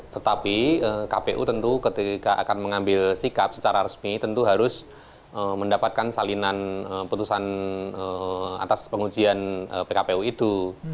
tetapi kpu tentu ketika akan mengambil sikap secara resmi tentu harus mendapatkan salinan putusan atas pengujian pkpu itu